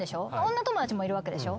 女友達もいるわけでしょ？